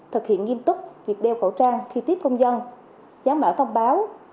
thực hiện nghiêm túc việc đeo khẩu trang khi tiếp công dân giám mạo thông báo